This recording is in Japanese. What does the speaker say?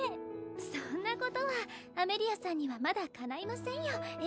そんなことはアメリアさんにはまだかないませんよえ